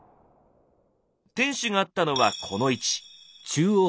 天守があったのはこの位置。